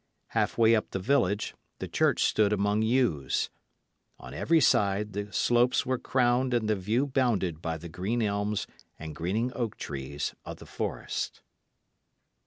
Half way up the village, the church stood among yews. On every side the slopes were crowned and the view bounded by the green elms and greening oak trees of the forest.